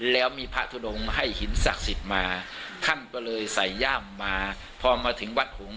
แล้วมีพระทุดงให้หินศักดิ์สิทธิ์มาท่านก็เลยใส่ย่ามมาพอมาถึงวัดหงษ